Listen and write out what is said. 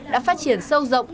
đã phát triển sâu rộng